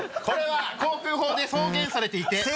これは航空法でそうげんされていて。